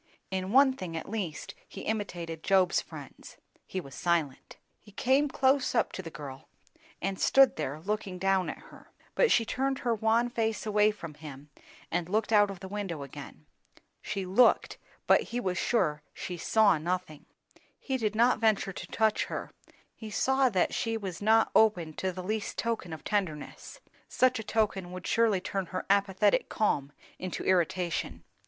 In one thing at least he imitated Job's friends; he was silent. He came close up to the girl and stood there, looking down at her. But she turned her wan face away from him and looked out of the window again. She looked, but he was sure she saw nothing. He did not venture to touch her; he saw that she was not open to the least token of tenderness; such a token would surely turn her apathetic calm into irritation.